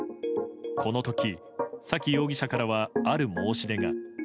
この時、沙喜容疑者からはある申し出が。